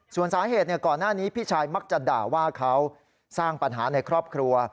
ส่วนสาเหตุก่อนหน้านี้พี่ชายมักจะด่าว่าเขาสร้างปัญหาในครอบครัว